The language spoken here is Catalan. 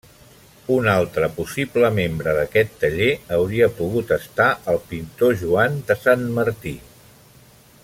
Un altre possible membre d’aquest taller hauria pogut estar el pintor Joan de Sant Martí.